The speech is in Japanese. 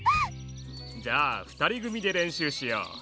じゃあ２人組で練習しよう。